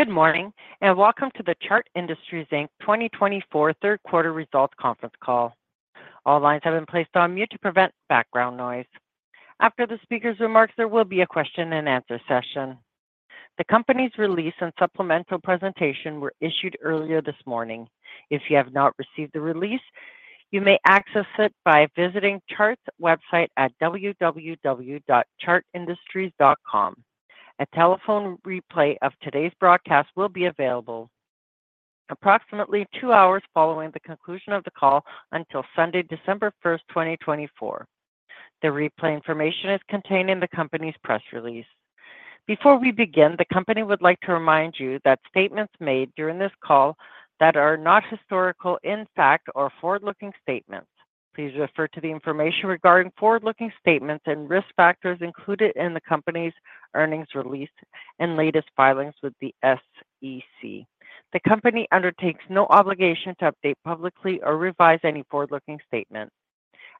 Good morning and welcome to the Chart Industries Inc. 2024 third quarter results conference call. All lines have been placed on mute to prevent background noise. After the speaker's remarks, there will be a question and answer session. The company's release and supplemental presentation were issued earlier this morning. If you have not received the release, you may access it by visiting Chart's website at www.chartindustries.com. A telephone replay of today's broadcast will be available approximately two hours following the conclusion of the call until Sunday, December 1st, 2024. The replay information is contained in the company's press release. Before we begin, the company would like to remind you that statements made during this call are not historical facts or forward-looking statements. Please refer to the information regarding forward-looking statements and risk factors included in the company's earnings release and latest filings with the SEC. The company undertakes no obligation to update publicly or revise any forward-looking statements.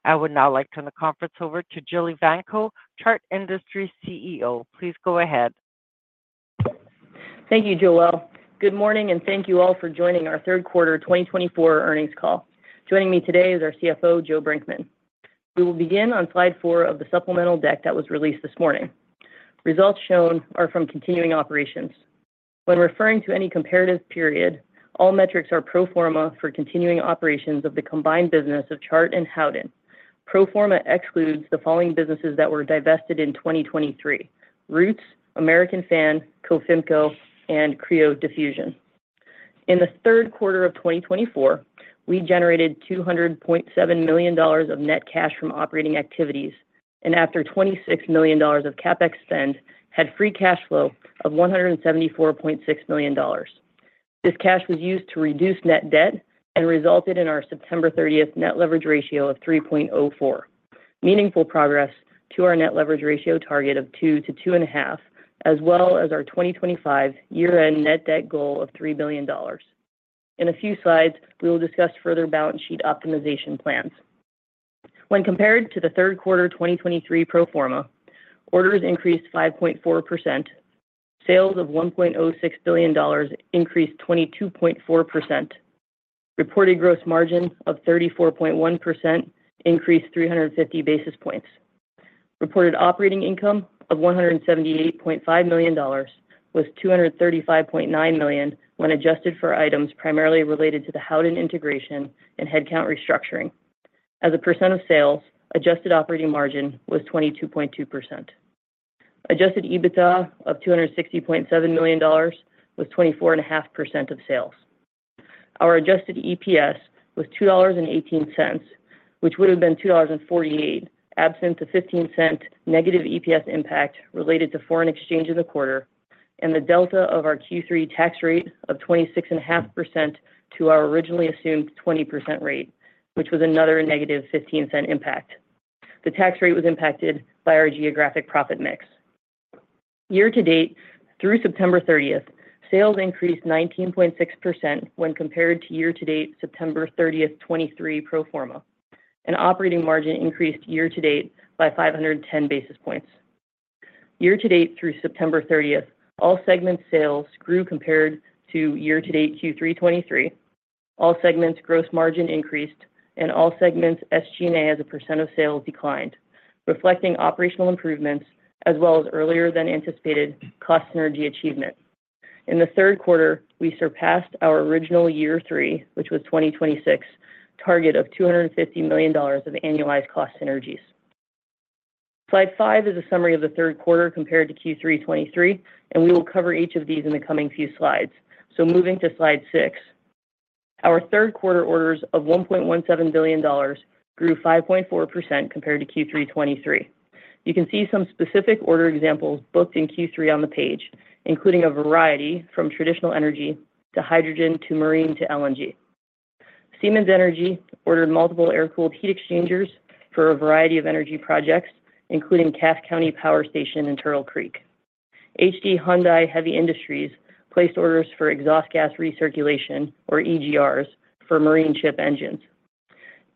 I would now like to turn the conference over to Jillian Evanko, Chart Industries CEO. Please go ahead. Thank you, Joelle. Good morning and thank you all for joining our third quarter 2024 earnings call. Joining me today is our CFO, Joe Brinkman. We will begin on slide four of the supplemental deck that was released this morning. Results shown are from continuing operations. When referring to any comparative period, all metrics are pro forma for continuing operations of the combined business of Chart and Howden. Pro forma excludes the following businesses that were divested in 2023: Roots, American Fan, Cofimco, and Cryo Diffusion. In the third quarter of 2024, we generated $200.7 million of net cash from operating activities and, after $26 million of CapEx spend, had free cash flow of $174.6 million. This cash was used to reduce net debt and resulted in our September 30th net leverage ratio of 3.04, meaningful progress to our net leverage ratio target of 2 to 2.5, as well as our 2025 year-end net debt goal of $3 billion. In a few slides, we will discuss further balance sheet optimization plans. When compared to the third quarter 2023 pro forma, orders increased 5.4%, sales of $1.06 billion increased 22.4%, reported gross margin of 34.1% increased 350 basis points. Reported operating income of $178.5 million was $235.9 million when adjusted for items primarily related to the Howden integration and headcount restructuring. As a percent of sales, adjusted operating margin was 22.2%. Adjusted EBITDA of $260.7 million was 24.5% of sales. Our adjusted EPS was $2.18, which would have been $2.48, absent the $0.15 negative EPS impact related to foreign exchange in the quarter and the delta of our Q3 tax rate of 26.5% to our originally assumed 20% rate, which was another negative $0.15 impact. The tax rate was impacted by our geographic profit mix. Year to date, through September 30th, sales increased 19.6% when compared to year to date, September 30th, 2023 pro forma, and operating margin increased year to date by 510 basis points. Year to date, through September 30th, all segments' sales grew compared to year to date, Q3 2023. All segments' gross margin increased and all segments' SG&A as a % of sales declined, reflecting operational improvements as well as earlier than anticipated cost synergy achievement. In the third quarter, we surpassed our original year three, which was 2026, target of $250 million of annualized cost synergies. Slide five is a summary of the third quarter compared to Q3 2023, and we will cover each of these in the coming few slides. So moving to slide six, our third quarter orders of $1.17 billion grew 5.4% compared to Q3 2023. You can see some specific order examples booked in Q3 on the page, including a variety from traditional energy to hydrogen to marine to LNG. Siemens Energy ordered multiple air-cooled heat exchangers for a variety of energy projects, including Cass County Power Station in Turtle Creek. HD Hyundai Heavy Industries placed orders for exhaust gas recirculation, or EGRs, for marine ship engines.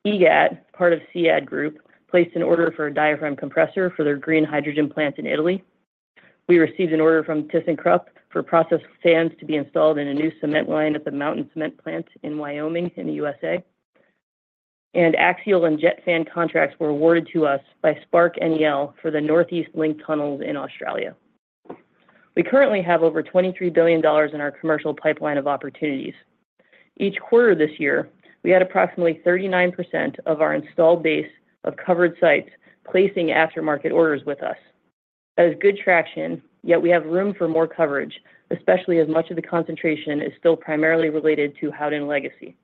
IGAT, part of SIAD Group, placed an order for a diaphragm compressor for their green hydrogen plant in Italy. We received an order from Thyssenkrupp for process fans to be installed in a new cement line at the Mountain Cement Plant in Wyoming in the USA, and axial and jet fan contracts were awarded to us by Spark Consortium for the Northeast Link tunnels in Australia. We currently have over $23 billion in our commercial pipeline of opportunities. Each quarter this year, we had approximately 39% of our installed base of covered sites placing aftermarket orders with us. That is good traction, yet we have room for more coverage, especially as much of the concentration is still primarily related to Howden Legacy.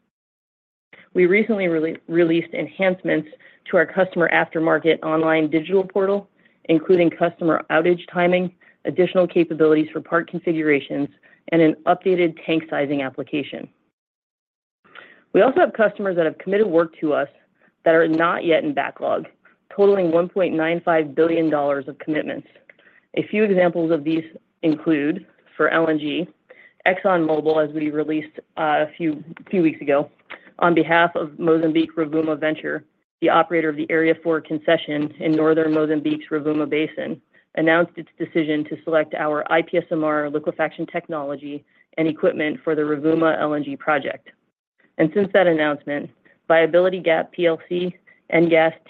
We recently released enhancements to our customer aftermarket online digital portal, including customer outage timing, additional capabilities for part configurations, and an updated tank sizing application. We also have customers that have committed work to us that are not yet in backlog, totaling $1.95 billion of commitments. A few examples of these include for LNG, ExxonMobil, as we released a few weeks ago, on behalf of Mozambique Rovuma Venture, the operator of the Area Four concession in northern Mozambique's Rovuma Basin, announced its decision to select our IPSMR liquefaction technology and equipment for the Rovuma LNG project. And since that announcement, N-Gas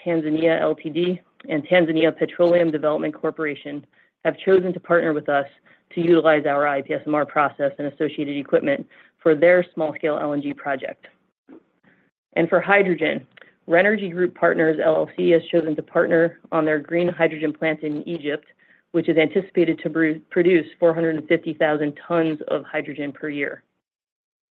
Tanzania Ltd and Tanzania Petroleum Development Corporation have chosen to partner with us to utilize our IPSMR process and associated equipment for their small-scale LNG project. And for hydrogen, Renergy Group Partners LLC has chosen to partner on their green hydrogen plant in Egypt, which is anticipated to produce 450,000 tons of hydrogen per year.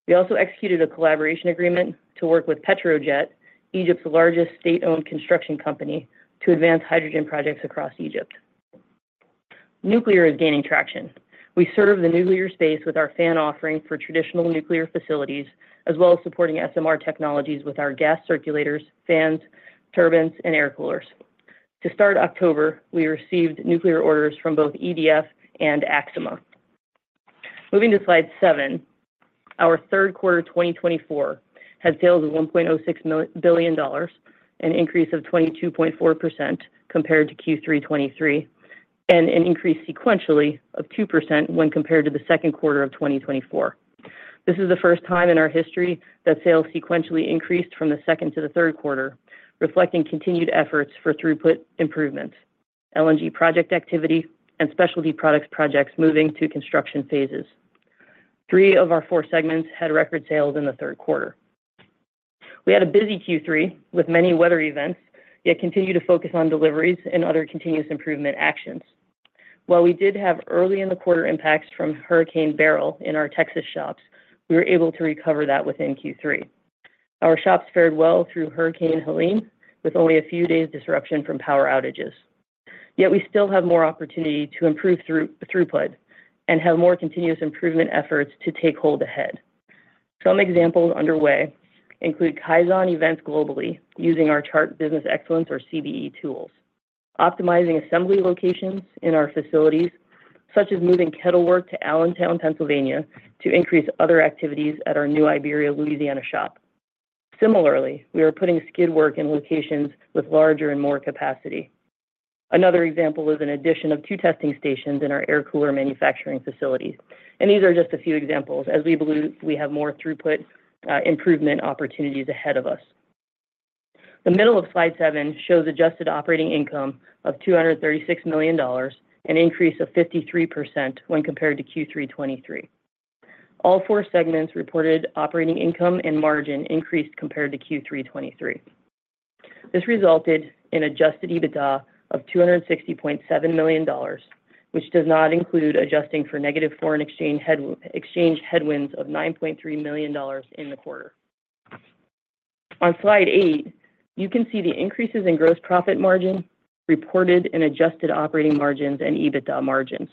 We also executed a collaboration agreement to work with Petrojet, Egypt's largest state-owned construction company, to advance hydrogen projects across Egypt. Nuclear is gaining traction. We serve the nuclear space with our fan offering for traditional nuclear facilities, as well as supporting SMR technologies with our gas circulators, fans, turbines, and air coolers. To start October, we received nuclear orders from both EDF and Axima. Moving to slide seven, our third quarter 2024 had sales of $1.06 billion, an increase of 22.4% compared to Q3 2023, and an increase sequentially of 2% when compared to the second quarter of 2024. This is the first time in our history that sales sequentially increased from the second to the third quarter, reflecting continued efforts for throughput improvements, LNG project activity, and specialty products projects moving to construction phases. Three of our four segments had record sales in the third quarter. We had a busy Q3 with many weather events, yet continued to focus on deliveries and other continuous improvement actions. While we did have early in the quarter impacts from Hurricane Beryl in our Texas shops, we were able to recover that within Q3. Our shops fared well through Hurricane Helene, with only a few days' disruption from power outages. Yet we still have more opportunity to improve throughput and have more continuous improvement efforts to take hold ahead. Some examples underway include Kaizen events globally using our Chart Business Excellence, or CBE, tools, optimizing assembly locations in our facilities, such as moving kettle work to Allentown, Pennsylvania, to increase other activities at our New Iberia, Louisiana shop. Similarly, we are putting skid work in locations with larger and more capacity. Another example is an addition of two testing stations in our air cooler manufacturing facilities. And these are just a few examples, as we believe we have more throughput improvement opportunities ahead of us. The middle of slide seven shows adjusted operating income of $236 million and an increase of 53% when compared to Q3 2023. All four segments reported operating income and margin increased compared to Q3 2023. This resulted in adjusted EBITDA of $260.7 million, which does not include adjusting for negative foreign exchange headwinds of $9.3 million in the quarter. On slide eight, you can see the increases in gross profit margin reported and adjusted operating margins and EBITDA margins.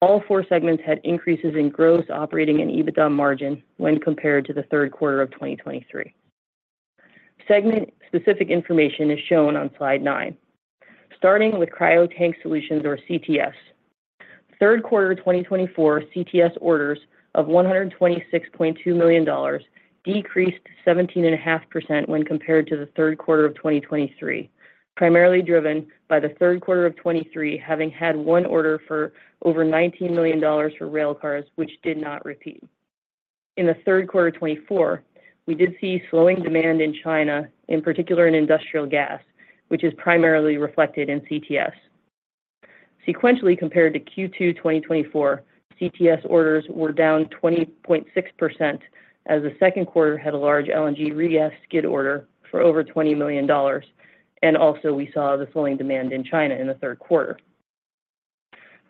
All four segments had increases in gross operating and EBITDA margin when compared to the third quarter of 2023. Segment-specific information is shown on slide nine, starting with Cryo Tank Solutions, or CTS. Third quarter 2024 CTS orders of $126.2 million decreased 17.5% when compared to the third quarter of 2023, primarily driven by the third quarter of 2023 having had one order for over $19 million for rail cars, which did not repeat. In the third quarter 2024, we did see slowing demand in China, in particular in industrial gas, which is primarily reflected in CTS. Sequentially compared to Q2 2024, CTS orders were down 20.6% as the second quarter had a large LNG re-gas skid order for over $20 million, and also we saw the slowing demand in China in the third quarter.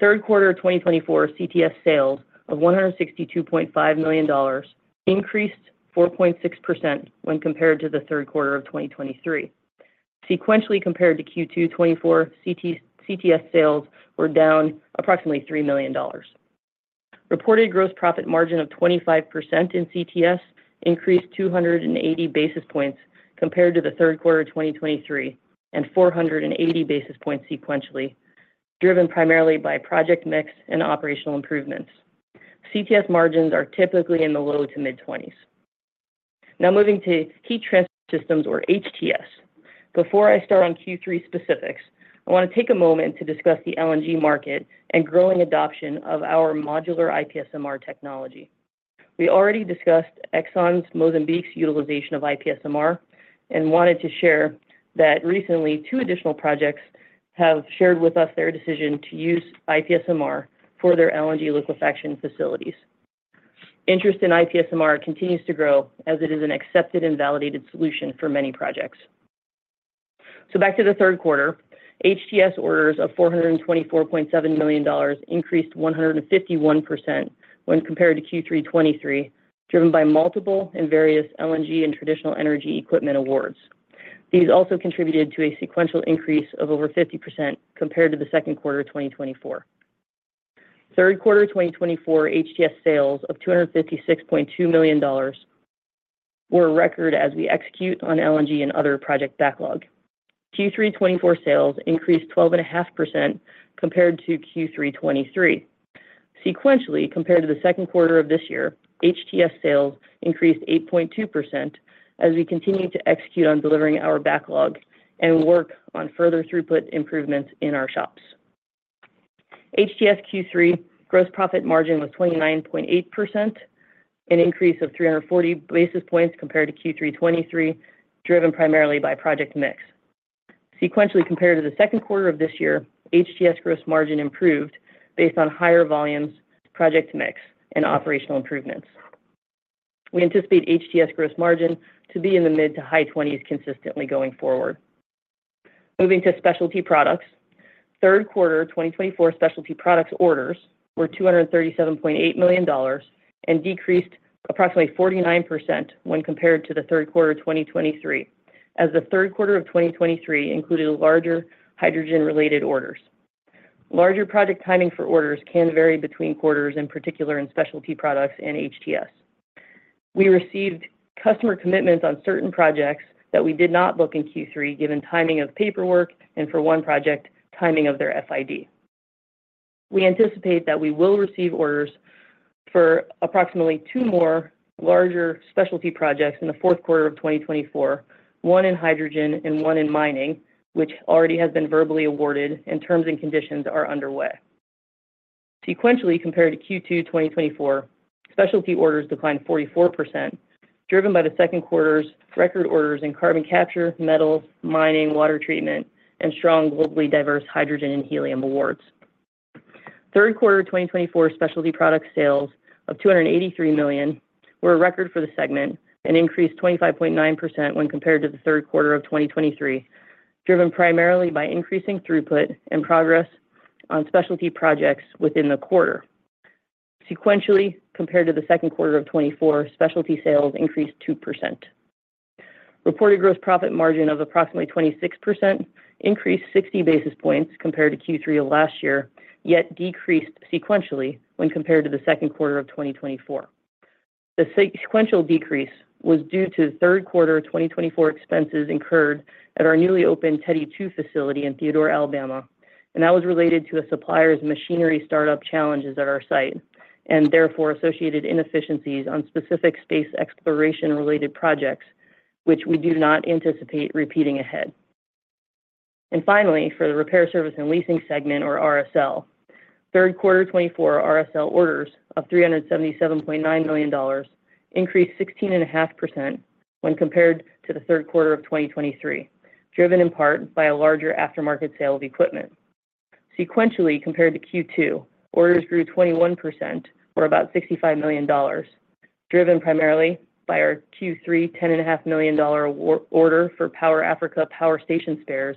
Third quarter 2024 CTS sales of $162.5 million increased 4.6% when compared to the third quarter of 2023. Sequentially compared to Q2 2024, CTS sales were down approximately $3 million. Reported gross profit margin of 25% in CTS increased 280 basis points compared to the third quarter 2023 and 480 basis points sequentially, driven primarily by project mix and operational improvements. CTS margins are typically in the low to mid-20s. Now moving to heat transmission systems, or HTS. Before I start on Q3 specifics, I want to take a moment to discuss the LNG market and growing adoption of our modular IPSMR technology. We already discussed ExxonMobil's Mozambique's utilization of IPSMR and wanted to share that recently two additional projects have shared with us their decision to use IPSMR for their LNG liquefaction facilities. Interest in IPSMR continues to grow as it is an accepted and validated solution for many projects. So back to the third quarter, HTS orders of $424.7 million increased 151% when compared to Q3 2023, driven by multiple and various LNG and traditional energy equipment awards. These also contributed to a sequential increase of over 50% compared to the second quarter 2024. Third quarter 2024 HTS sales of $256.2 million were a record as we execute on LNG and other project backlog. Q3 2024 sales increased 12.5% compared to Q3 2023. Sequentially, compared to the second quarter of this year, HTS sales increased 8.2% as we continue to execute on delivering our backlog and work on further throughput improvements in our shops. HTS Q3 gross profit margin was 29.8%, an increase of 340 basis points compared to Q3 2023, driven primarily by project mix. Sequentially compared to the second quarter of this year, HTS gross margin improved based on higher volumes, project mix, and operational improvements. We anticipate HTS gross margin to be in the mid to high 20s consistently going forward. Moving to specialty products, third quarter 2024 specialty products orders were $237.8 million and decreased approximately 49% when compared to the third quarter 2023, as the third quarter of 2023 included larger hydrogen-related orders. Larger project timing for orders can vary between quarters, in particular in specialty products and HTS. We received customer commitments on certain projects that we did not book in Q3, given timing of paperwork and for one project, timing of their FID. We anticipate that we will receive orders for approximately two more larger specialty projects in the fourth quarter of 2024, one in hydrogen and one in mining, which already has been verbally awarded, and terms and conditions are underway. Sequentially compared to Q2 2024, specialty orders declined 44%, driven by the second quarter's record orders in carbon capture, metals, mining, water treatment, and strong globally diverse hydrogen and helium awards. Third quarter 2024 specialty product sales of $283 million were a record for the segment and increased 25.9% when compared to the third quarter of 2023, driven primarily by increasing throughput and progress on specialty projects within the quarter. Sequentially compared to the second quarter of 2024, specialty sales increased 2%. Reported gross profit margin of approximately 26% increased 60 basis points compared to Q3 of last year, yet decreased sequentially when compared to the second quarter of 2024. The sequential decrease was due to third quarter 2024 expenses incurred at our newly opened Teddy 2 facility in Theodore, Alabama, and that was related to a supplier's machinery startup challenges at our site and therefore associated inefficiencies on specific space exploration-related projects, which we do not anticipate repeating ahead. Finally, for the repair service and leasing segment, or RSL, third quarter 2024 RSL orders of $377.9 million increased 16.5% when compared to the third quarter of 2023, driven in part by a larger aftermarket sale of equipment. Sequentially compared to Q2, orders grew 21%, or about $65 million, driven primarily by our Q3 $10.5 million order for Power Africa power station spares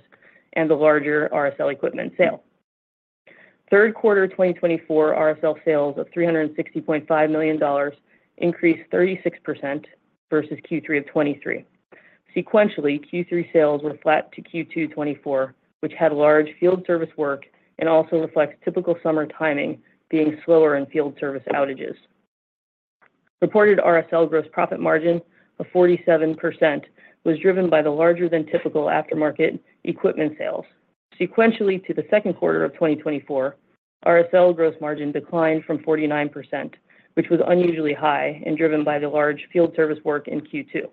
and the larger RSL equipment sale. Third quarter 2024 RSL sales of $360.5 million increased 36% versus Q3 of 2023. Sequentially, Q3 sales were flat to Q2 2024, which had large field service work and also reflects typical summer timing being slower in field service outages. Reported RSL gross profit margin of 47% was driven by the larger than typical aftermarket equipment sales. Sequentially to the second quarter of 2024, RSL gross margin declined from 49%, which was unusually high and driven by the large field service work in Q2.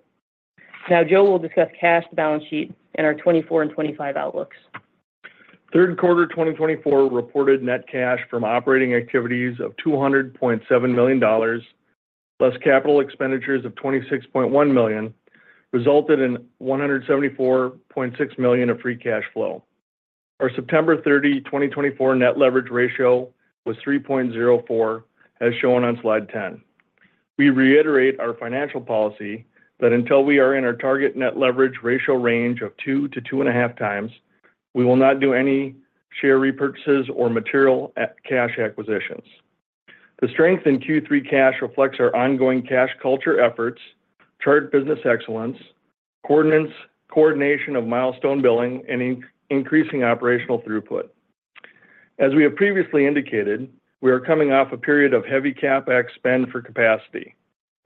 Now, Joe will discuss cash balance sheet and our 2024 and 2025 outlooks. Third quarter 2024 reported net cash from operating activities of $200.7 million, plus capital expenditures of $26.1 million, resulted in $174.6 million of free cash flow. Our September 30, 2024 net leverage ratio was 3.04, as shown on slide 10. We reiterate our financial policy that until we are in our target net leverage ratio range of 2 to 2.5 times, we will not do any share repurchases or material cash acquisitions. The strength in Q3 cash reflects our ongoing cash culture efforts, Chart Business Excellence, coordination of milestone billing, and increasing operational throughput. As we have previously indicated, we are coming off a period of heavy CapEx spend for capacity.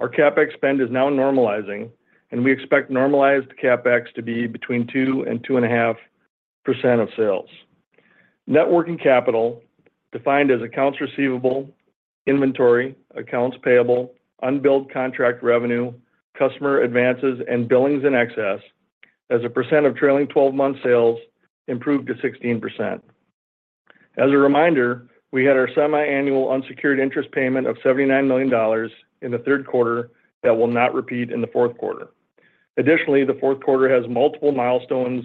Our CapEx spend is now normalizing, and we expect normalized CapEx to be between 2 and 2.5% of sales. Net working capital, defined as accounts receivable, inventory, accounts payable, unbilled contract revenue, customer advances, and billings in excess, as a % of trailing 12-month sales improved to 16%. As a reminder, we had our semi-annual unsecured interest payment of $79 million in the third quarter that will not repeat in the fourth quarter. Additionally, the fourth quarter has multiple milestones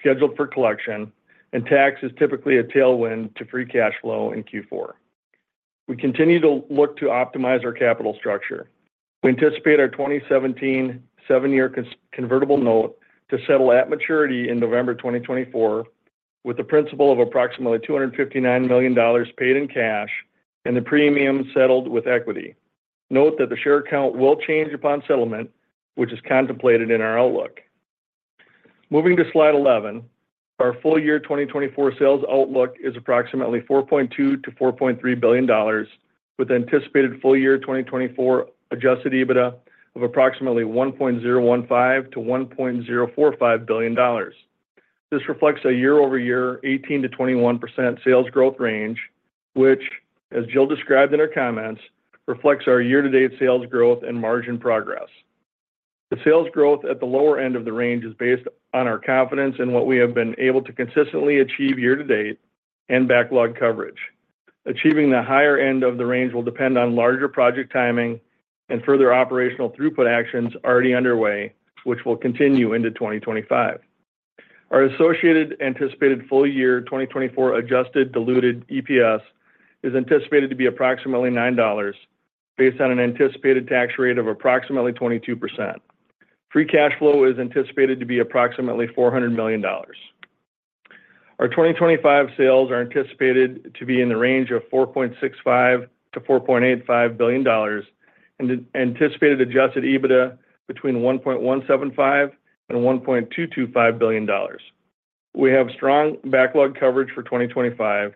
scheduled for collection, and tax is typically a tailwind to free cash flow in Q4. We continue to look to optimize our capital structure. We anticipate our 2017 seven-year convertible note to settle at maturity in November 2024, with the principal of approximately $259 million paid in cash and the premium settled with equity. Note that the share account will change upon settlement, which is contemplated in our outlook. Moving to slide 11, our full year 2024 sales outlook is approximately $4.2-$4.3 billion, with anticipated full year 2024 adjusted EBITDA of approximately $1.015-$1.045 billion. This reflects a year-over-year 18%-21% sales growth range, which, as Jill described in her comments, reflects our year-to-date sales growth and margin progress. The sales growth at the lower end of the range is based on our confidence in what we have been able to consistently achieve year-to-date and backlog coverage. Achieving the higher end of the range will depend on larger project timing and further operational throughput actions already underway, which will continue into 2025. Our associated anticipated full year 2024 adjusted diluted EPS is anticipated to be approximately $9, based on an anticipated tax rate of approximately 22%. Free cash flow is anticipated to be approximately $400 million. Our 2025 sales are anticipated to be in the range of $4.65-$4.85 billion, and anticipated adjusted EBITDA between $1.175-$1.225 billion. We have strong backlog coverage for 2025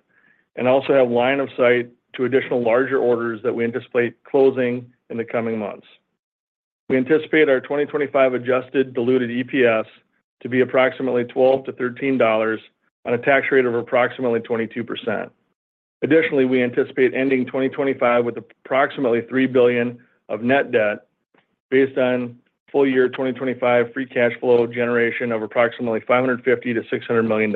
and also have line of sight to additional larger orders that we anticipate closing in the coming months. We anticipate our 2025 adjusted diluted EPS to be approximately $12-$13 on a tax rate of approximately 22%. Additionally, we anticipate ending 2025 with approximately $3 billion of net debt, based on full year 2025 free cash flow generation of approximately $550-$600 million.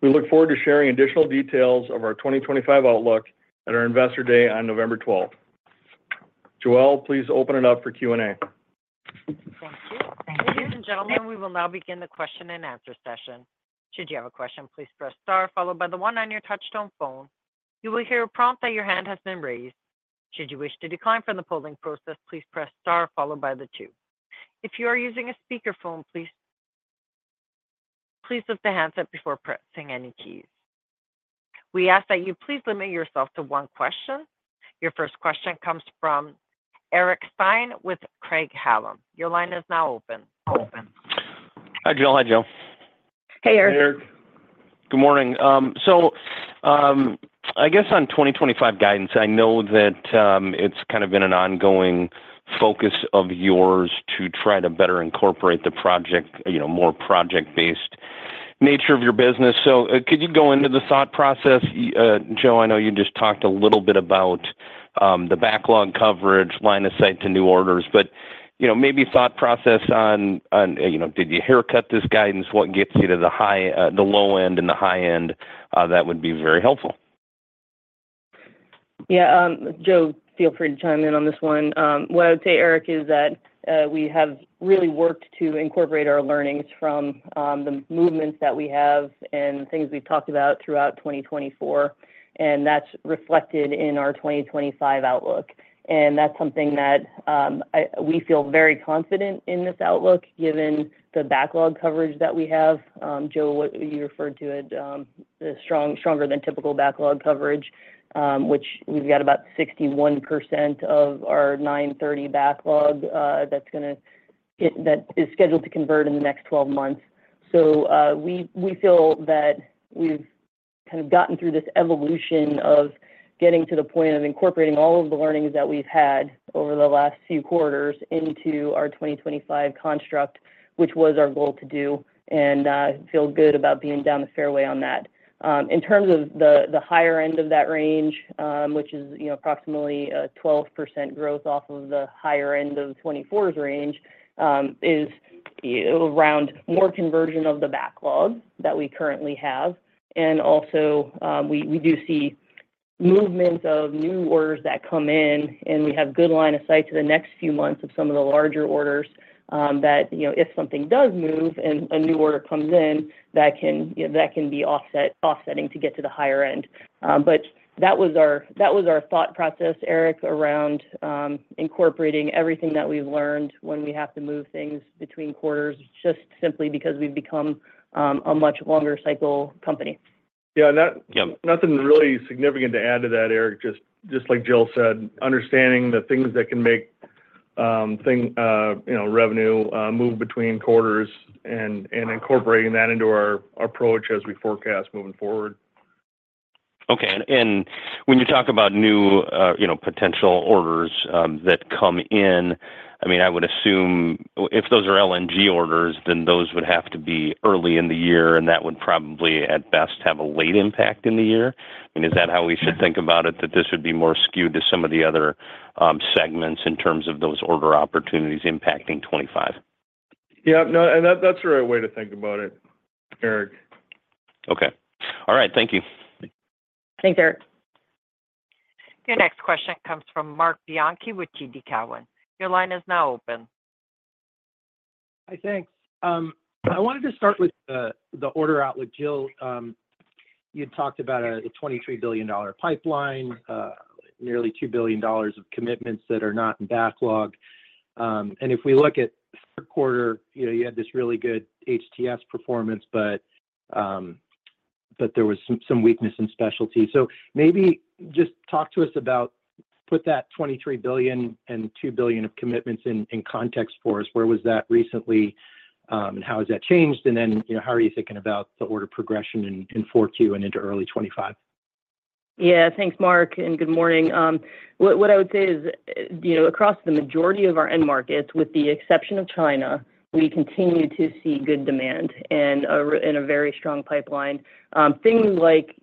We look forward to sharing additional details of our 2025 outlook at our investor day on November 12. Joelle, please open it up for Q&A. Thank you. Thank you. Ladies and gentlemen, we will now begin the question and answer session. Should you have a question, please press star, followed by the one on your touch-tone phone. You will hear a prompt that your hand has been raised. Should you wish to decline from the polling process, please press star, followed by the two. If you are using a speakerphone, please lift the handset up before pressing any keys. We ask that you please limit yourself to one question. Your first question comes from Eric Stine with Craig-Hallum. Your line is now open. Hi, Jill. Hi, Jill. Hey, Eric. Hey, Eric. Good morning. So I guess on 2025 guidance, I know that it's kind of been an ongoing focus of yours to try to better incorporate the project, more project-based nature of your business. So could you go into the thought process, Joe? I know you just talked a little bit about the backlog coverage, line of sight to new orders, but maybe thought process on, did you haircut this guidance? What gets you to the low end and the high end? That would be very helpful. Yeah. Joe, feel free to chime in on this one. What I would say, Eric, is that we have really worked to incorporate our learnings from the movements that we have and things we've talked about throughout 2024, and that's reflected in our 2025 outlook. That's something that we feel very confident in this outlook, given the backlog coverage that we have. Joe, what you referred to, the stronger than typical backlog coverage, which we've got about 61% of our 930 backlog that's going to get that is scheduled to convert in the next 12 months. So we feel that we've kind of gotten through this evolution of getting to the point of incorporating all of the learnings that we've had over the last few quarters into our 2025 construct, which was our goal to do, and feel good about being down the fairway on that. In terms of the higher end of that range, which is approximately a 12% growth off of the higher end of 2024's range, is around more conversion of the backlog that we currently have. And also, we do see movements of new orders that come in, and we have good line of sight to the next few months of some of the larger orders that if something does move and a new order comes in, that can be offsetting to get to the higher end. But that was our thought process, Eric, around incorporating everything that we've learned when we have to move things between quarters, just simply because we've become a much longer cycle company. Yeah. Nothing really significant to add to that, Eric. Just like Jillian said, understanding the things that can make revenue move between quarters and incorporating that into our approach as we forecast moving forward. Okay. And when you talk about new potential orders that come in, I mean, I would assume if those are LNG orders, then those would have to be early in the year, and that would probably, at best, have a late impact in the year. I mean, is that how we should think about it, that this would be more skewed to some of the other segments in terms of those order opportunities impacting 2025? Yep. No, and that's the right way to think about it, Eric. Okay. All right. Thank you. Thanks, Eric. Your next question comes from Marc Bianchi with TD Cowen. Your line is now open. Hi, thanks. I wanted to start with the order outlook. Jill, you'd talked about a $23 billion pipeline, nearly $2 billion of commitments that are not in backlog. And if we look at third quarter, you had this really good HTS performance, but there was some weakness in specialty. So maybe just talk to us about, put that $23 billion and $2 billion of commitments in context for us. Where was that recently, and how has that changed? And then how are you thinking about the order progression in 4Q and into early 2025? Yeah. Thanks, Marc, and good morning. What I would say is, across the majority of our end markets, with the exception of China, we continue to see good demand and a very strong pipeline. Things like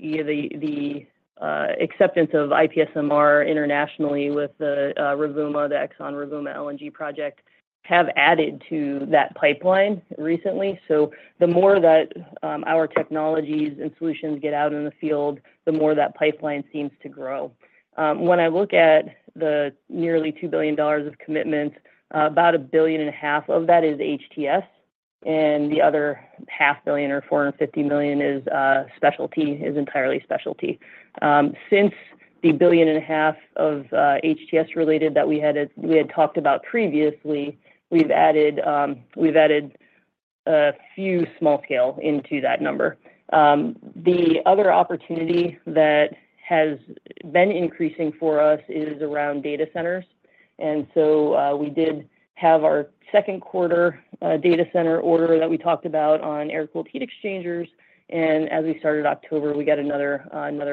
the acceptance of IPSMR internationally with the Rovuma, the Exxon Rovuma LNG project, have added to that pipeline recently. So the more that our technologies and solutions get out in the field, the more that pipeline seems to grow. When I look at the nearly $2 billion of commitments, about $1.5 billion of that is HTS, and the other $500 million or $450 million is specialty, is entirely specialty. Since the $1.5 billion of HTS-related that we had talked about previously, we've added a few small scale into that number. The other opportunity that has been increasing for us is around data centers. We did have our second quarter data center order that we talked about on air-cooled heat exchangers. As we started October, we got another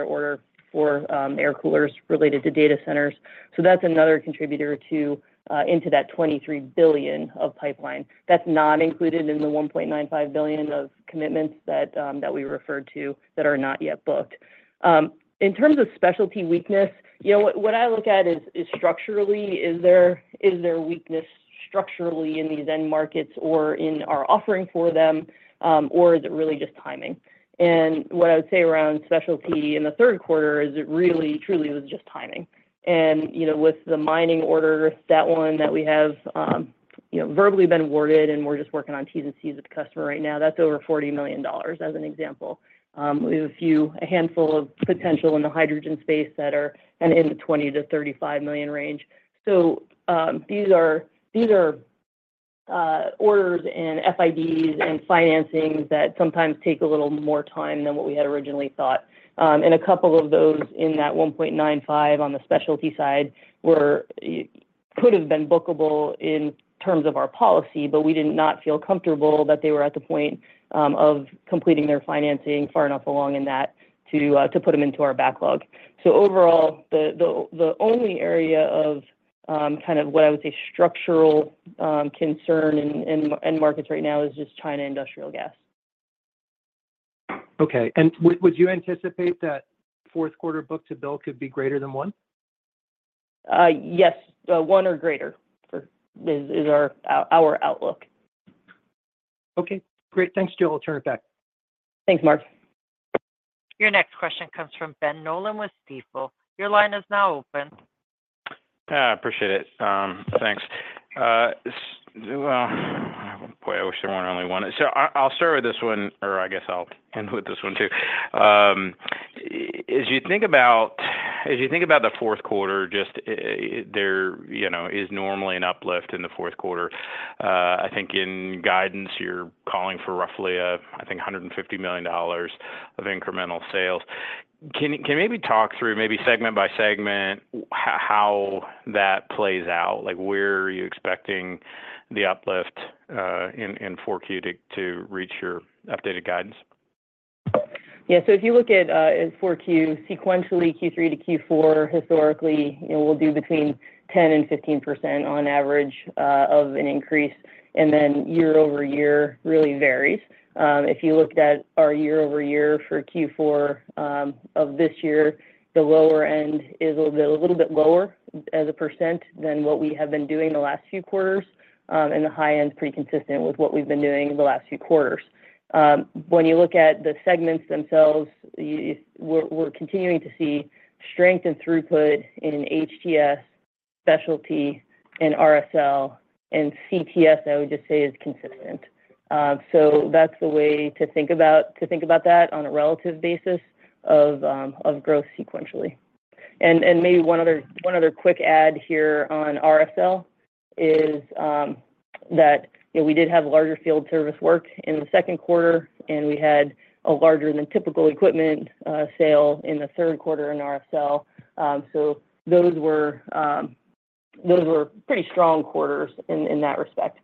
order for air coolers related to data centers. That's another contributor into that $23 billion of pipeline. That's not included in the $1.95 billion of commitments that we referred to that are not yet booked. In terms of specialty weakness, what I look at is, structurally, is there weakness structurally in these end markets or in our offering for them, or is it really just timing? What I would say around specialty in the third quarter is it really, truly was just timing. With the mining order, that one that we have verbally been awarded, and we're just working on Ts and Cs with the customer right now, that's over $40 million, as an example. We have a handful of potential in the hydrogen space that are in the $20-$35 million range. So these are orders and FIDs and financings that sometimes take a little more time than what we had originally thought. A couple of those in that $19.5 million on the specialty side could have been bookable in terms of our policy, but we did not feel comfortable that they were at the point of completing their financing far enough along in that to put them into our backlog. So overall, the only area of kind of what I would say structural concern in end markets right now is just China industrial gas. Okay. And would you anticipate that fourth quarter book-to-bill could be greater than one? Yes. One or greater is our outlook. Okay. Great. Thanks, Joelle. I'll turn it back. Thanks, Mark. Your next question comes from Ben Nolan with Stifel. Your line is now open. Appreciate it. Thanks. Boy, I wish there were only one. So I'll start with this one, or I guess I'll end with this one too. As you think about the fourth quarter, just there is normally an uplift in the fourth quarter. I think in guidance, you're calling for roughly, I think, $150 million of incremental sales. Can you maybe talk through, maybe segment by segment, how that plays out? Where are you expecting the uplift in 4Q to reach your updated guidance? Yeah. So if you look at 4Q sequentially, Q3 to Q4, historically, we'll do between 10% and 15% on average of an increase. And then year over year really varies. If you looked at our year over year for Q4 of this year, the lower end is a little bit lower as a percent than what we have been doing the last few quarters, and the high end is pretty consistent with what we've been doing the last few quarters. When you look at the segments themselves, we're continuing to see strength and throughput in HTS, specialty, and RSL. And CTS, I would just say, is consistent. So that's the way to think about that on a relative basis of growth sequentially. And maybe one other quick add here on RSL is that we did have larger field service work in the second quarter, and we had a larger than typical equipment sale in the third quarter in RSL. So those were pretty strong quarters in that respect.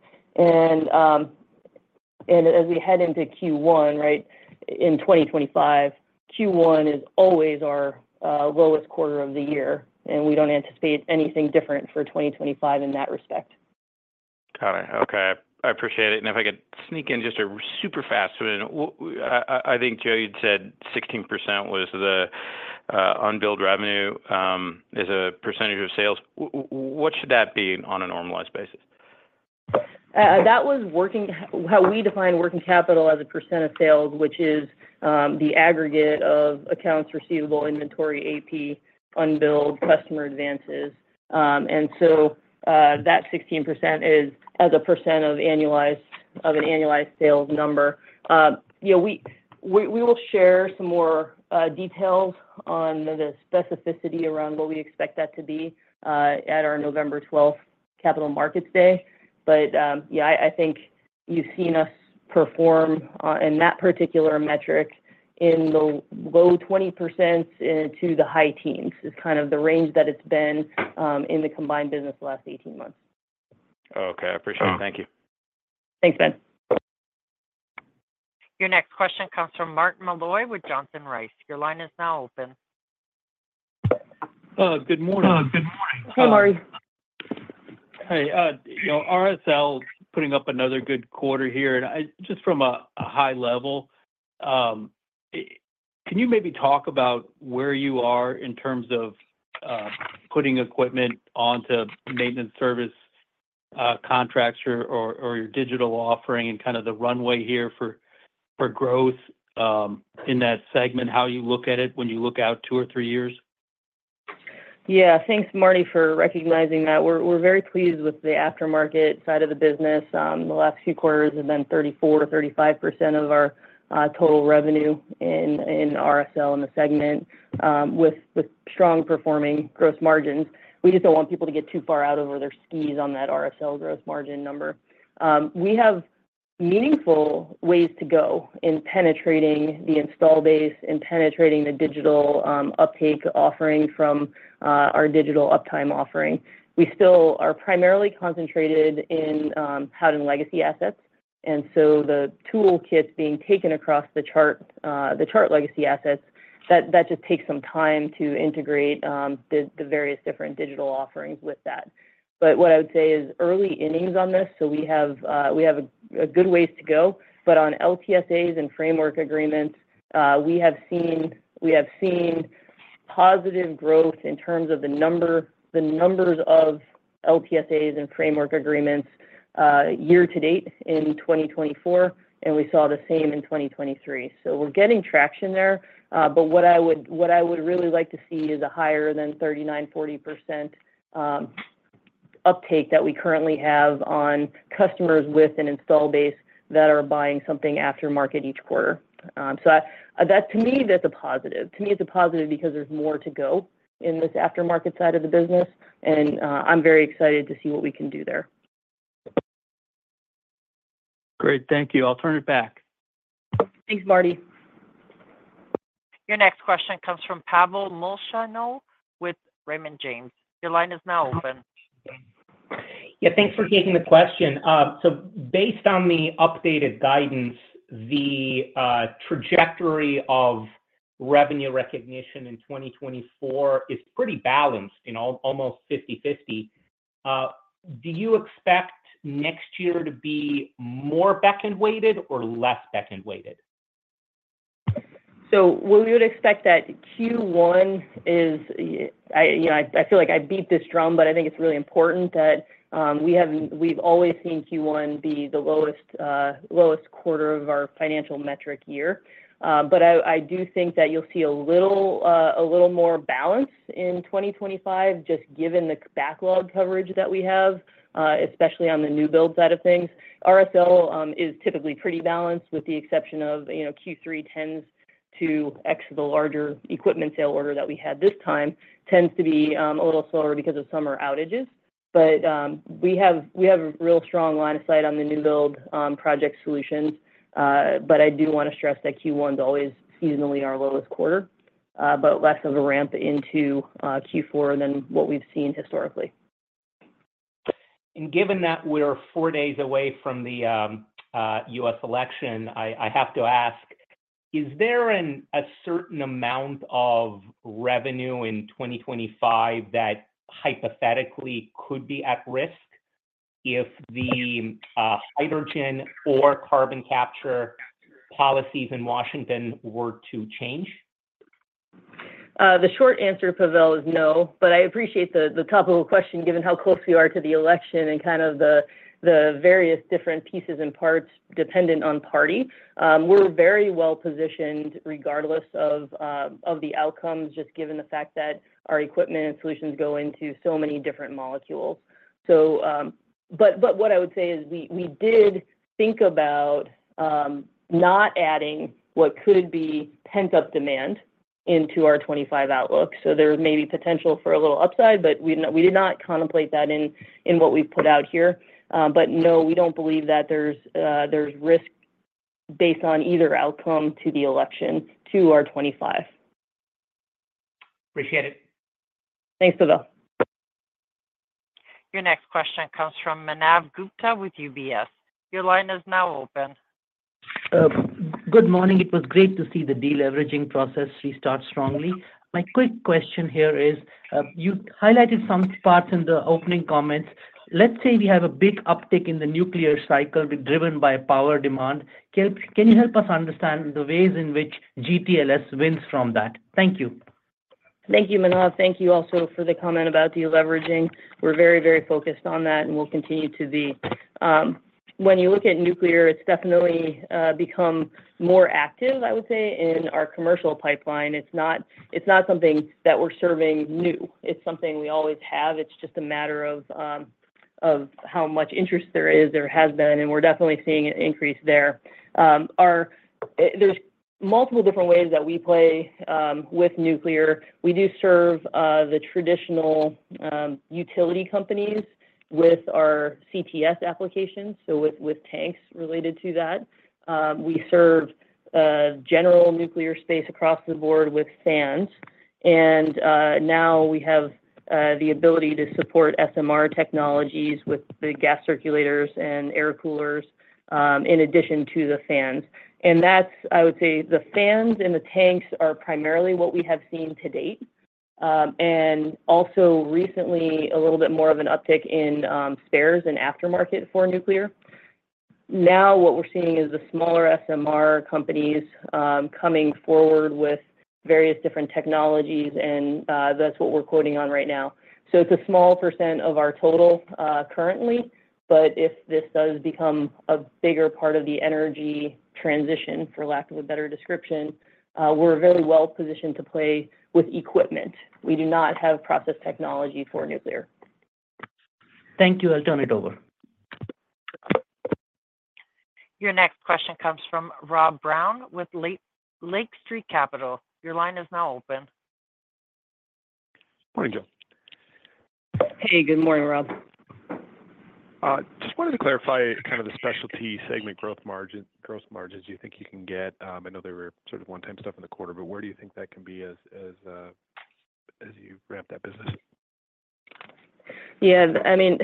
And as we head into Q1, right, in 2025, Q1 is always our lowest quarter of the year, and we don't anticipate anything different for 2025 in that respect. Got it. Okay. I appreciate it. And if I could sneak in just super fast, I think, Joe, you'd said 16% was the unbilled revenue as a % of sales. What should that be on a normalized basis? That was how we define working capital as a % of sales, which is the aggregate of accounts receivable, inventory, AP, unbilled, customer advances. And so that 16% is as a % of annualized sales number. We will share some more details on the specificity around what we expect that to be at our November 12 capital markets day. But yeah, I think you've seen us perform in that particular metric in the low 20% to the high teens, is kind of the range that it's been in the combined business the last 18 months. Okay. I appreciate it. Thank you. Thanks, Ben. Your next question comes from Marty Malloy with Johnson Rice. Your line is now open. Good morning. Good morning. Hi, Mark. Hey. RSL is putting up another good quarter here. And just from a high level, can you maybe talk about where you are in terms of putting equipment onto maintenance service contracts or your digital offering and kind of the runway here for growth in that segment, how you look at it when you look out two or three years? Yeah. Thanks, Marty, for recognizing that. We're very pleased with the aftermarket side of the business the last few quarters, and then 34%-35% of our total revenue in RSL in the segment with strong performing gross margins. We just don't want people to get too far out over their skis on that RSL gross margin number. We have meaningful ways to go in penetrating the install base and penetrating the digital uptake offering from our digital uptime offering. We still are primarily concentrated in having legacy assets. And so the toolkit being taken across the Chart, the Chart legacy assets, that just takes some time to integrate the various different digital offerings with that. But what I would say is early innings on this. So we have a good ways to go. But on LTSAs and framework agreements, we have seen positive growth in terms of the numbers of LTSAs and framework agreements year to date in 2024, and we saw the same in 2023. So we're getting traction there. But what I would really like to see is a higher than 39%-40% uptake that we currently have on customers with an install base that are buying something aftermarket each quarter. So to me, that's a positive. To me, it's a positive because there's more to go in this aftermarket side of the business, and I'm very excited to see what we can do there. Great. Thank you. I'll turn it back. Thanks, Marty. Your next question comes from Pavel Molchanov with Raymond James. Your line is now open. Yeah. Thanks for taking the question. So based on the updated guidance, the trajectory of revenue recognition in 2024 is pretty balanced in almost 50/50. Do you expect next year to be more back-end weighted or less back-end weighted? So we would expect that Q1 is. I feel like I beat this drum, but I think it's really important that we've always seen Q1 be the lowest quarter of our financial metric year. But I do think that you'll see a little more balance in 2025, just given the backlog coverage that we have, especially on the new build side of things. RSL is typically pretty balanced with the exception of Q3, tends to exit the larger equipment sale order that we had this time, tends to be a little slower because of summer outages. But we have a real strong line of sight on the new build project solutions. But I do want to stress that Q1 is always seasonally our lowest quarter, but less of a ramp into Q4 than what we've seen historically. And given that we're four days away from the US election, I have to ask, is there a certain amount of revenue in 2025 that hypothetically could be at risk if the hydrogen or carbon capture policies in Washington were to change? The short answer, Pavel, is no. But I appreciate the topical question given how close we are to the election and kind of the various different pieces and parts dependent on party. We're very well positioned regardless of the outcomes, just given the fact that our equipment and solutions go into so many different molecules. But what I would say is we did think about not adding what could be pent-up demand into our 2025 outlook. So there may be potential for a little upside, but we did not contemplate that in what we've put out here. But no, we don't believe that there's risk based on either outcome to the election to our 2025. Appreciate it. Thanks, Pavel. Your next question comes from Manav Gupta with UBS. Your line is now open. Good morning. It was great to see the deleveraging process restart strongly. My quick question here is you highlighted some parts in the opening comments. Let's say we have a big uptick in the nuclear cycle driven by power demand. Can you help us understand the ways in which GTLS wins from that? Thank you. Thank you, Manav. Thank you also for the comment about deleveraging. We're very, very focused on that, and we'll continue to be. When you look at nuclear, it's definitely become more active, I would say, in our commercial pipeline. It's not something that we're serving new. It's something we always have. It's just a matter of how much interest there is or has been, and we're definitely seeing an increase there. There's multiple different ways that we play with nuclear. We do serve the traditional utility companies with our CTS applications, so with tanks related to that. We serve general nuclear space across the board with fans. And now we have the ability to support SMR technologies with the gas circulators and air coolers in addition to the fans. And that's, I would say, the fans and the tanks are primarily what we have seen to date. And also recently, a little bit more of an uptick in spares and aftermarket for nuclear. Now what we're seeing is the smaller SMR companies coming forward with various different technologies, and that's what we're quoting on right now. So it's a small % of our total currently, but if this does become a bigger part of the energy transition, for lack of a better description, we're very well positioned to play with equipment. We do not have process technology for nuclear. Thank you. I'll turn it over. Your next question comes from Rob Brown with Lake Street Capital. Your line is now open. Morning, Joe. Hey. Good morning, Rob. Just wanted to clarify kind of the specialty segment growth margins you think you can get. I know they were sort of one-time stuff in the quarter, but where do you think that can be as you ramp that business? Yeah. I mean,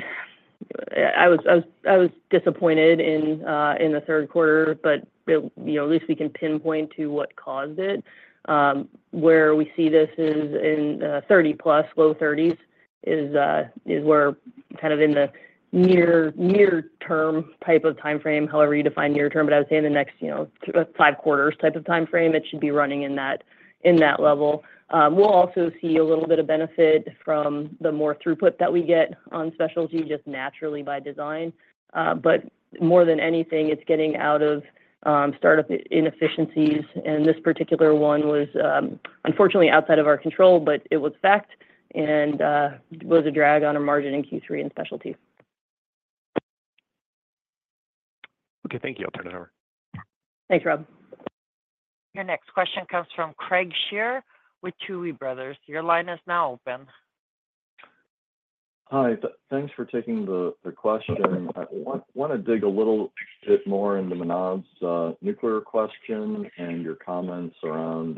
I was disappointed in the third quarter, but at least we can pinpoint to what caused it. Where we see this is in 30-plus, low 30s is where kind of in the near-term type of timeframe, however you define near-term, but I would say in the next five quarters type of timeframe, it should be running in that level. We'll also see a little bit of benefit from the more throughput that we get on specialty just naturally by design. But more than anything, it's getting out of startup inefficiencies. And this particular one was unfortunately outside of our control, but in fact it was a drag on our margin in Q3 in specialty. Okay. Thank you. I'll turn it over. Thanks, Rob. Your next question comes from Craig Shere with Tuohy Brothers. Your line is now open. Hi. Thanks for taking the question. I want to dig a little bit more into Manav's nuclear question and your comments around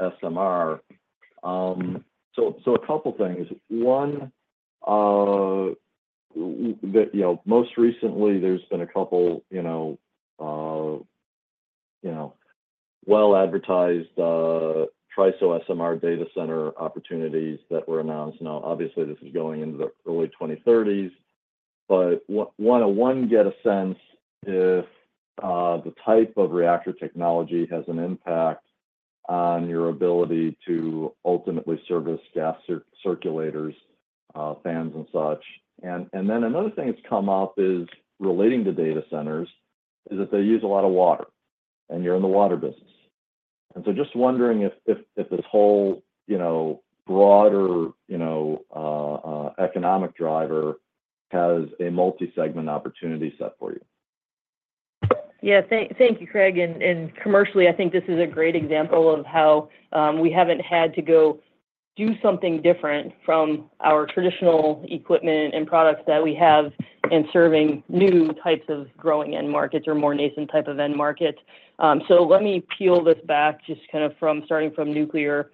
SMR. So a couple of things. One, most recently, there's been a couple well-advertised TRISO SMR data center opportunities that were announced. Now, obviously, this is going into the early 2030s. But want to, one, get a sense if the type of reactor technology has an impact on your ability to ultimately service gas circulators, fans, and such. And then another thing that's come up relating to data centers is that they use a lot of water, and you're in the water business. And so just wondering if this whole broader economic driver has a multi-segment opportunity set for you. Yeah. Thank you, Craig. Commercially, I think this is a great example of how we haven't had to go do something different from our traditional equipment and products that we have and serving new types of growing end markets or more nascent type of end market. So let me peel this back just kind of starting from nuclear.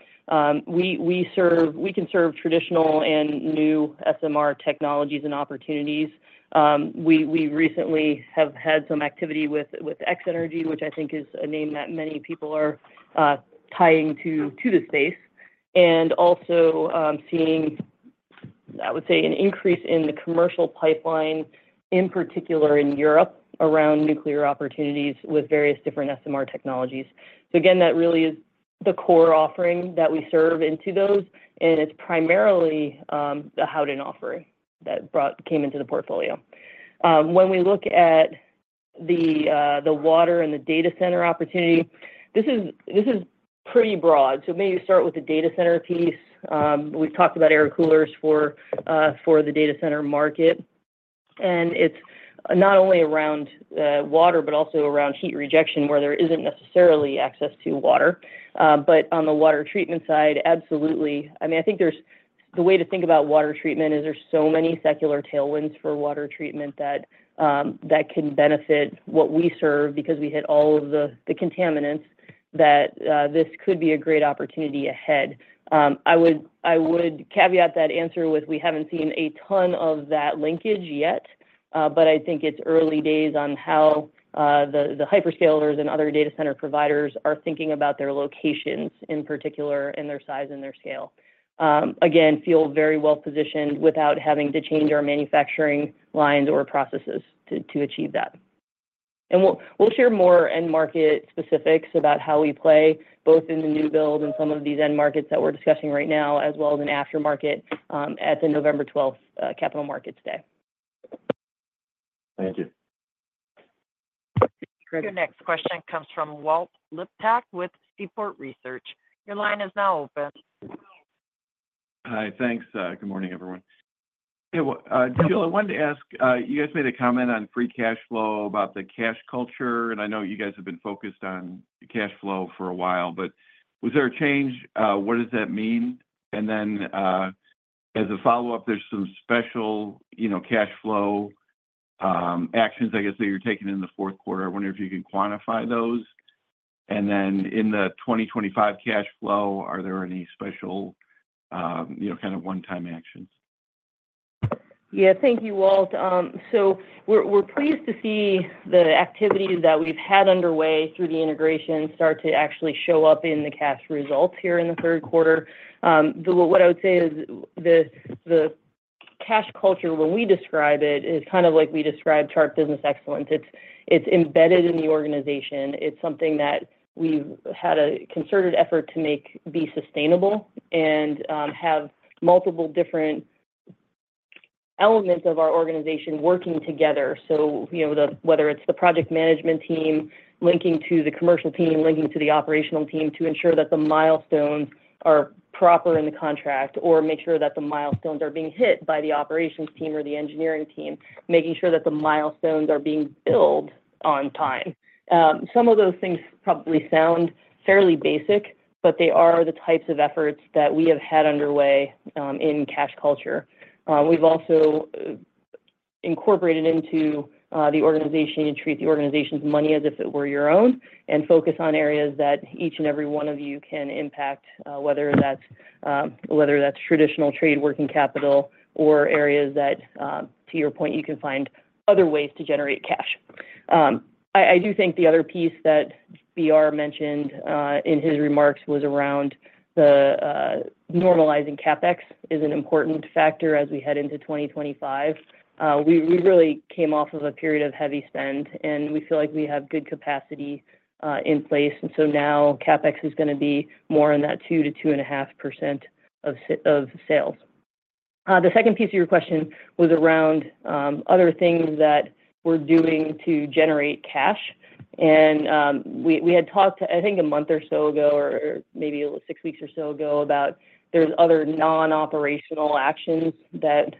We can serve traditional and new SMR technologies and opportunities. We recently have had some activity with X-energy, which I think is a name that many people are tying to the space, and also seeing, I would say, an increase in the commercial pipeline, in particular in Europe, around nuclear opportunities with various different SMR technologies. So again, that really is the core offering that we serve into those, and it's primarily the Howden offering that came into the portfolio. When we look at the water and the data center opportunity, this is pretty broad. Maybe we start with the data center piece. We've talked about air coolers for the data center market. It's not only around water but also around heat rejection where there isn't necessarily access to water. On the water treatment side, absolutely. I mean, I think the way to think about water treatment is there's so many secular tailwinds for water treatment that can benefit what we serve because we hit all of the contaminants that this could be a great opportunity ahead. I would caveat that answer with we haven't seen a ton of that linkage yet, but I think it's early days on how the hyperscalers and other data center providers are thinking about their locations in particular and their size and their scale. Again, feel very well positioned without having to change our manufacturing lines or processes to achieve that. And we'll share more end market specifics about how we play both in the new build and some of these end markets that we're discussing right now, as well as an aftermarket at the November 12th Capital Markets Day. Thank you. Your next question comes from Walt Liptak with Seaport Research. Your line is now open. Hi. Thanks. Good morning, everyone. Hey, Joe, I wanted to ask, you guys made a comment on free cash flow about the cash culture. And I know you guys have been focused on cash flow for a while, but was there a change? What does that mean? And then as a follow-up, there's some special cash flow actions, I guess, that you're taking in the fourth quarter. I wonder if you can quantify those. And then in the 2025 cash flow, are there any special kind of one-time actions? Yeah. Thank you, Walt. We're pleased to see the activity that we've had underway through the integration start to actually show up in the cash results here in the third quarter. What I would say is the cash culture, when we describe it, is kind of like we describe Chart Business Excellence. It's embedded in the organization. It's something that we've had a concerted effort to make be sustainable and have multiple different elements of our organization working together. Whether it's the project management team linking to the commercial team, linking to the operational team to ensure that the milestones are proper in the contract, or make sure that the milestones are being hit by the operations team or the engineering team, making sure that the milestones are being billed on time. Some of those things probably sound fairly basic, but they are the types of efforts that we have had underway in cash culture. We've also incorporated into the organization you treat the organization's money as if it were your own and focus on areas that each and every one of you can impact, whether that's traditional trade working capital or areas that, to your point, you can find other ways to generate cash. I do think the other piece that BR mentioned in his remarks was around the normalizing CapEx is an important factor as we head into 2025. We really came off of a period of heavy spend, and we feel like we have good capacity in place, and so now CapEx is going to be more in that 2%-2.5% of sales. The second piece of your question was around other things that we're doing to generate cash. And we had talked, I think, a month or so ago or maybe six weeks or so ago about there's other non-operational actions that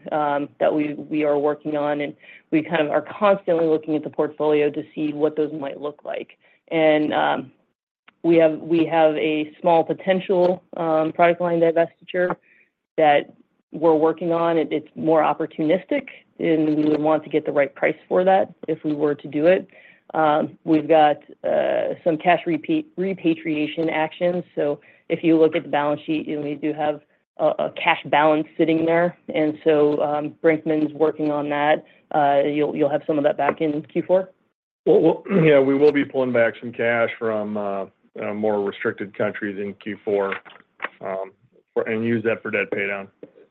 we are working on, and we kind of are constantly looking at the portfolio to see what those might look like. And we have a small potential product line divestiture that we're working on. It's more opportunistic, and we would want to get the right price for that if we were to do it. We've got some cash repatriation actions. So if you look at the balance sheet, we do have a cash balance sitting there. And so Brinkman’s working on that. You'll have some of that back in Q4. Yeah. We will be pulling back some cash from more restricted countries in Q4 and use that for debt paydown.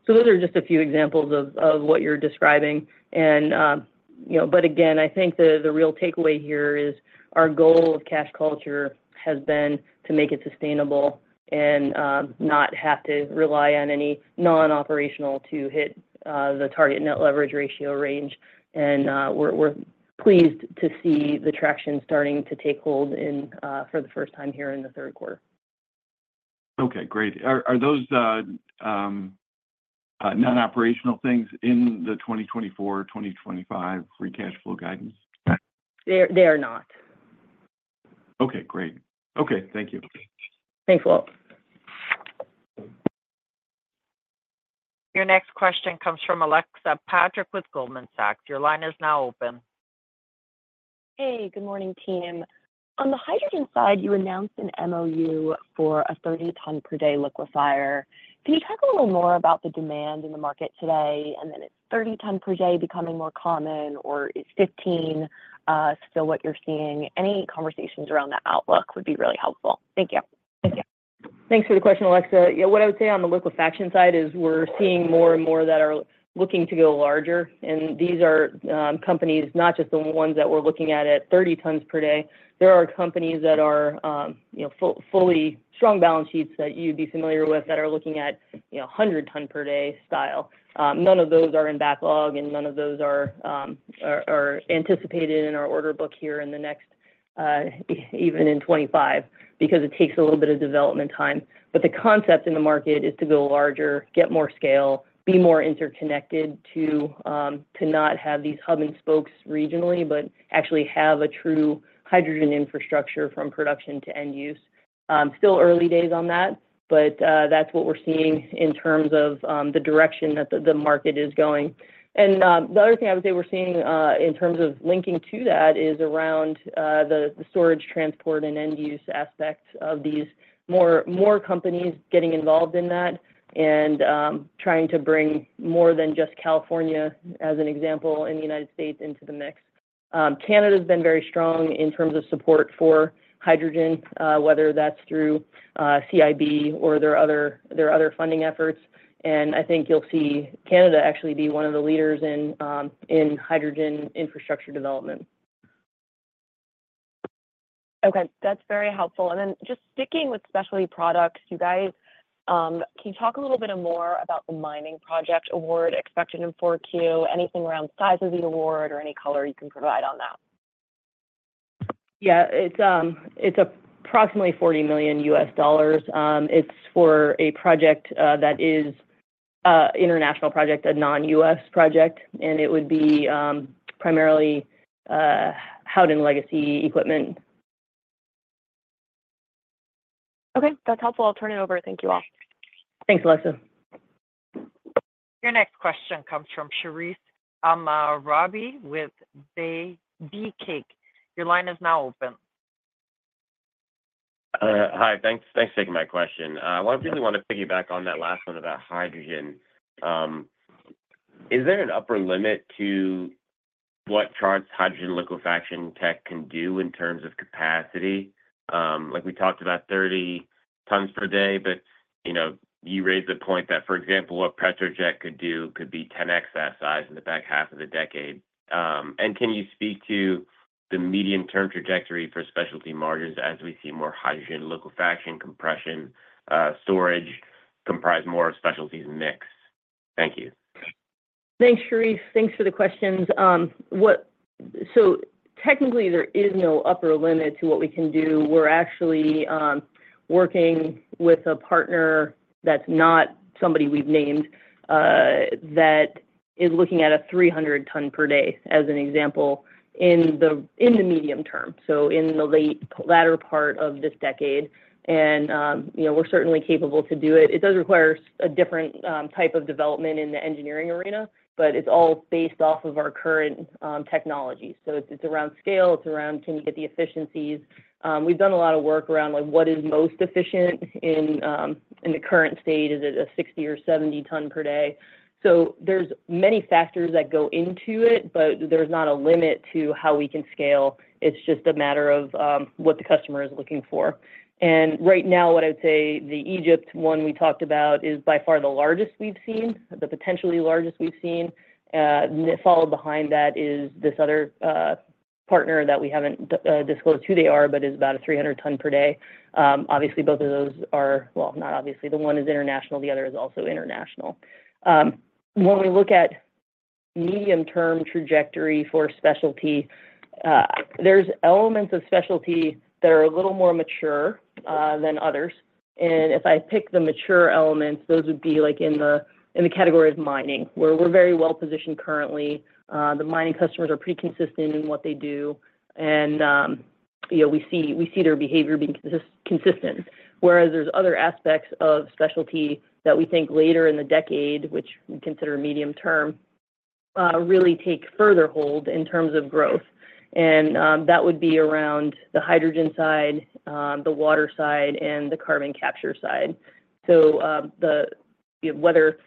So those are just a few examples of what you're describing. But again, I think the real takeaway here is our goal of cash culture has been to make it sustainable and not have to rely on any non-operational to hit the target net leverage ratio range. And we're pleased to see the traction starting to take hold for the first time here in the third quarter. Okay. Great. Are those non-operational things in the 2024, 2025 free cash flow guidance? They are not. Okay. Great. Okay. Thank you. Thanks, Walt. Your next question comes from Alexa Patrick with Goldman Sachs. Your line is now open. Hey. Good morning, team. On the hydrogen side, you announced an MOU for a 30-ton per day liquefier. Can you talk a little more about the demand in the market today? And then it's 30 ton per day becoming more common, or is 15 still what you're seeing? Any conversations around that outlook would be really helpful. Thank you. Thank you. Thanks for the question, Alexa. Yeah. What I would say on the liquefaction side is we're seeing more and more that are looking to go larger. And these are companies, not just the ones that we're looking at at 30 tons per day. There are companies that are fully strong balance sheets that you'd be familiar with that are looking at 100 ton per day style. None of those are in backlog, and none of those are anticipated in our order book here in the next, even in 2025, because it takes a little bit of development time. But the concept in the market is to go larger, get more scale, be more interconnected to not have these hub and spokes regionally, but actually have a true hydrogen infrastructure from production to end use. Still early days on that, but that's what we're seeing in terms of the direction that the market is going. And the other thing I would say we're seeing in terms of linking to that is around the storage, transport, and end use aspect of these more companies getting involved in that and trying to bring more than just California, as an example, in the United States into the mix. Canada has been very strong in terms of support for hydrogen, whether that's through CIB or there are other funding efforts. And I think you'll see Canada actually be one of the leaders in hydrogen infrastructure development. Okay. That's very helpful. And then just sticking with specialty products, you guys, can you talk a little bit more about the mining project award expected in 4Q? Anything around size of the award or any color you can provide on that? Yeah. It's approximately $40 million. It's for a project that is an international project, a non-US project, and it would be primarily housed in legacy equipment. Okay. That's helpful. I'll turn it over. Thank you, all. Thanks, Alexa. Your next question comes from Sherif El-Sabbahy with Bank of America. Your line is now open. Hi. Thanks for taking my question. I really want to piggyback on that last one about hydrogen. Is there an upper limit to what Chart's hydrogen liquefaction tech can do in terms of capacity? We talked about 30 tons per day, but you raised the point that, for example, what PetroJet could do could be 10x that size in the back half of the decade. And can you speak to the medium term trajectory for specialty margins as we see more hydrogen liquefaction, compression, storage comprise more of specialties mix? Thank you. Thanks, Sherif. Thanks for the questions. So technically, there is no upper limit to what we can do. We're actually working with a partner that's not somebody we've named that is looking at a 300-ton per day as an example in the medium term, so in the latter part of this decade. And we're certainly capable to do it. It does require a different type of development in the engineering arena, but it's all based off of our current technology. So it's around scale. It's around, can you get the efficiencies? We've done a lot of work around what is most efficient in the current state. Is it a 60- or 70-ton per day? So there's many factors that go into it, but there's not a limit to how we can scale. It's just a matter of what the customer is looking for. And right now, what I would say, the Egypt one we talked about is by far the largest we've seen, the potentially largest we've seen. Followed behind that is this other partner that we haven't disclosed who they are, but is about a 300-ton per day. Obviously, both of those are, well, not obviously. The one is international. The other is also international. When we look at medium-term trajectory for specialty, there's elements of specialty that are a little more mature than others. If I pick the mature elements, those would be in the category of mining, where we're very well positioned currently. The mining customers are pretty consistent in what they do, and we see their behavior being consistent. Whereas there's other aspects of specialty that we think later in the decade, which we consider medium term, really take further hold in terms of growth. That would be around the hydrogen side, the water side, and the carbon capture side. Whether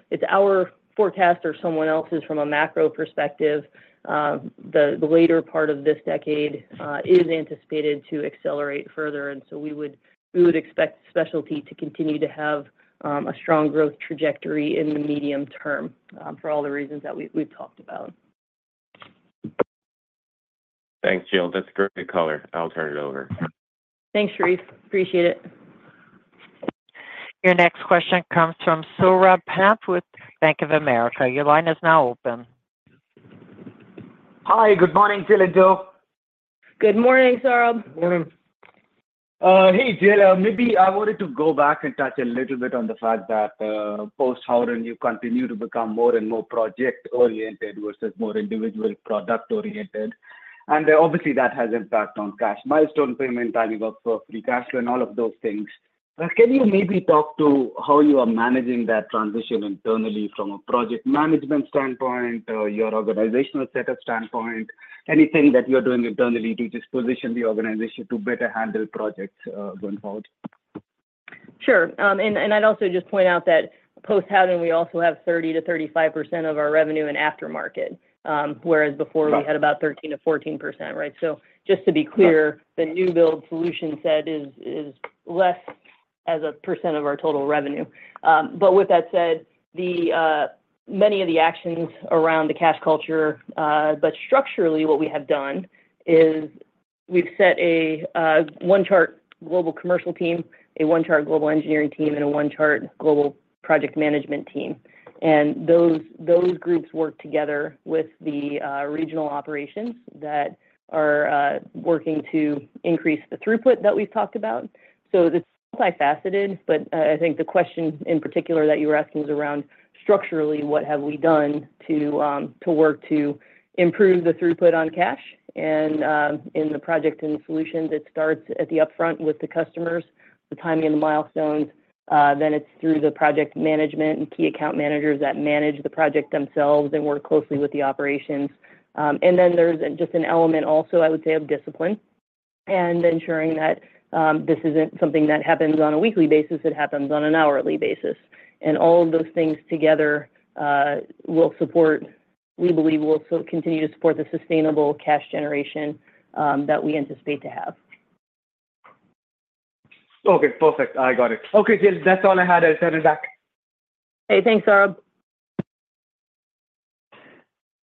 it's our forecast or someone else's from a macro perspective, the later part of this decade is anticipated to accelerate further. We would expect specialty to continue to have a strong growth trajectory in the medium term for all the reasons that we've talked about. Thanks, Jill. That's a great color. I'll turn it over. Thanks, Sherif. Appreciate it. Your next question comes from Saurabh Pant with Bank of America. Your line is now open. Hi. Good morning, Jill and Joe. Good morning, Saurabh. Good morning. Hey, Jill. Maybe I wanted to go back and touch a little bit on the fact that post-Howden and you continue to become more and more project-oriented versus more individual product-oriented. And obviously, that has impact on cash milestone payment, timing of free cash flow, and all of those things. Can you maybe talk to how you are managing that transition internally from a project management standpoint, your organizational setup standpoint, anything that you're doing internally to just position the organization to better handle projects going forward? Sure. And I'd also just point out that post-Howden and we also have 30%-35% of our revenue in aftermarket, whereas before we had about 13%-14%, right? So just to be clear, the new build solution set is less as a % of our total revenue. But with that said, many of the actions around the cash culture, but structurally, what we have done is we've set a One Chart global commercial team, a One Chart global engineering team, and a One Chart global project management team. And those groups work together with the regional operations that are working to increase the throughput that we've talked about. So it's multifaceted, but I think the question in particular that you were asking was around structurally, what have we done to work to improve the throughput on cash? And in the project and solutions, it starts at the upfront with the customers, the timing and the milestones. Then it's through the project management and key account managers that manage the project themselves and work closely with the operations. And then there's just an element also, I would say, of discipline and ensuring that this isn't something that happens on a weekly basis. It happens on an hourly basis. And all of those things together will support, we believe, will continue to support the sustainable cash generation that we anticipate to have. Okay. Perfect. I got it. Okay, Jill. That's all I had. I'll turn it back. Hey. Thanks, Saurabh.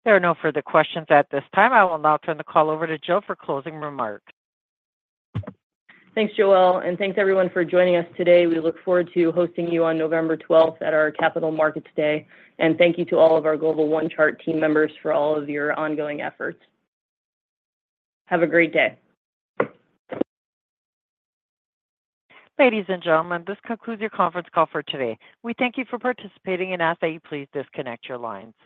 There are no further questions at this time. I will now turn the call over to Joe for closing remarks. Thanks, Jill. And thanks, everyone, for joining us today. We look forward to hosting you on November 12th at our Capital Markets Day. And thank you to all of our Global One Chart team members for all of your ongoing efforts. Have a great day. Ladies and gentlemen, this concludes your conference call for today. We thank you for participating and ask that you please disconnect your lines.